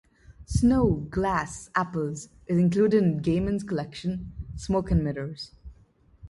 "Snow, Glass, Apples" is included in Gaiman's collection, "Smoke and Mirrors".